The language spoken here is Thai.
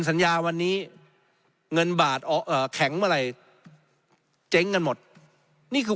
สัญญาวันนี้เงินบาทอ่อเอ่อแข็งอะไรเจ๊งกันหมดนี่คือ